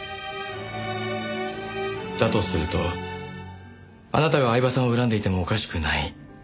だとするとあなたが饗庭さんを恨んでいてもおかしくない。